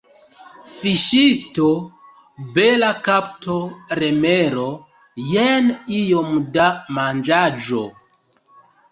Fiŝisto: "Bela kapto, remoro. Jen iom da manĝaĵo."